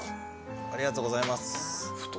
ありがとうございます。